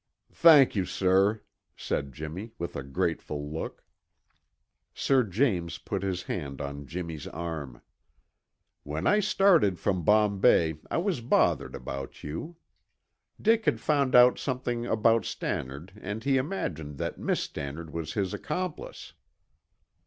"Thank you, sir," said Jimmy with a grateful look. Sir James put his hand on Jimmy's arm. "When I started from Bombay I was bothered about you. Dick had found out something about Stannard and he imagined that Miss Stannard was his accomplice."